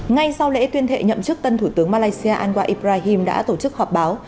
ngay sau lễ tuyên thệ nhậm chức tân thủ tướng malaysia ango ibrahim đã tổ chức họp báo